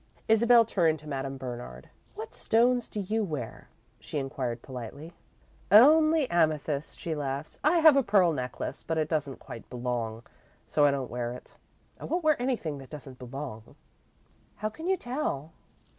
Isabel turned to Madame Bernard. "What stones do you wear?" she inquired, politely. "Only amethysts," she laughed. "I have a pearl necklace, but it doesn't quite 'belong,' so I don't wear it. I won't wear anything that doesn't 'belong.'" "How can you tell?"